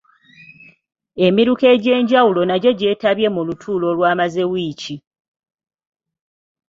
Emiruka egy'enjawulo nagyo gyetabye mu lutuula olwamaze wiiki.